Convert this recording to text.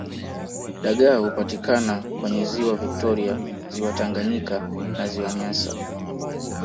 Dagaa hupatikana kwenye ziwa victoria ziwa Tanganyika na ziwa nyasa